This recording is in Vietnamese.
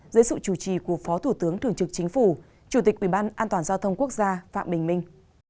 dưới sự chủ trì của phó thủ tướng thường trực chính phủ chủ tịch ubnd giao thông quốc gia phạm bình minh